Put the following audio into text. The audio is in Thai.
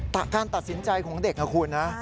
แต่การตัดสินใจของเด็กนะครับคุณฮะ